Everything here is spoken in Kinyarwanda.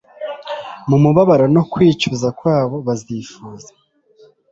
Mu mubabaro no kwicuza kwabo, bazifuza